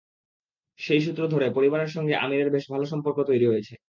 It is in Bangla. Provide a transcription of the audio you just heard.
সেই সূত্র ধরে পরিবারের সঙ্গে আমিরের বেশ ভালো সম্পর্ক তৈরি হয়েছে।